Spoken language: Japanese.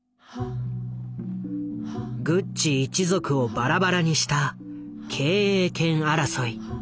グッチ一族をバラバラにした経営権争い。